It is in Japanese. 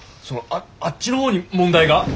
そのああっちの方に問題が？